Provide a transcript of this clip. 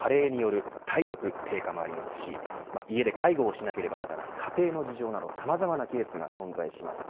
加齢による体力低下もありますし家で介護をしなければならない家庭の事情などさまざまなケースが存在します。